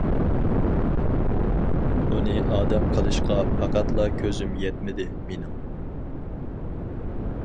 ئۇنى ئادەم قىلىشقا پەقەتلا كۆزۈم يەتمىدى مېنىڭ.